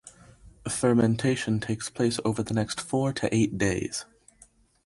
Fermentation takes place over the next four to eight days.